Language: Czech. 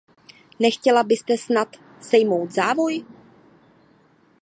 Nechtěla byste snad sejmout závoj?